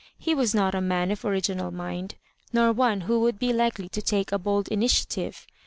He was not a man of original mind, nor one who would be likely to take a bold initiative.